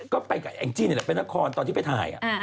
ก็ไปกับแองจี้นี่แหละเป็นนครตอนที่ไปถ่าย